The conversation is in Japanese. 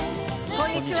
こんにちは。